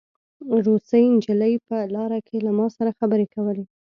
روسۍ نجلۍ په لاره کې له ما سره خبرې کولې